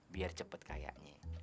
biar cepet kayanya